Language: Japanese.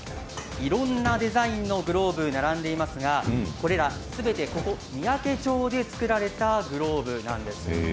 いろいろなデザインのグローブが並んでいますが、これらすべてここ三宅町で作られたグローブなんです。